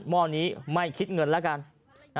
หม้อนี้ไม่คิดเงินแล้วกัน